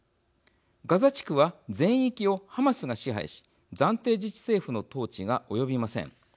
ガザ地区は全域をハマスが支配し暫定自治政府の統治が及びません。